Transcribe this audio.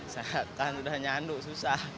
saat kan udah nyanduk susah